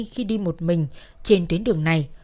khi đi một mình trên tuyến đường này